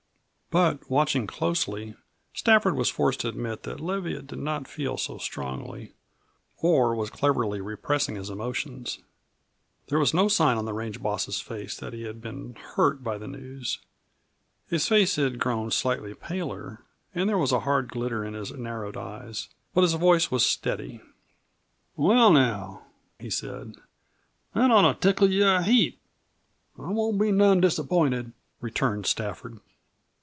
But watching closely, Stafford was forced to admit that Leviatt did not feel so strongly, or was cleverly repressing his emotions. There was no sign on the range boss's face that he had been hurt by the news. His face had grown slightly paler and there was a hard glitter in his narrowed eyes. But his voice was steady. "Well, now," he said, "that ought to tickle you a heap." "I won't be none disappointed," returned Stafford.